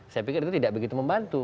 saya pikir itu tidak begitu membantu